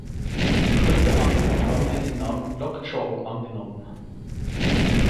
Kurzerhand haben wir den Namen Lockjaw angenommen.